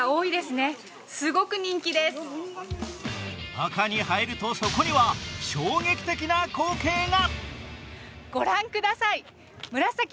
中に入ると、そこには衝撃的な光景が。